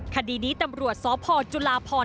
คดีนี้ตำรวจสพจุลาพร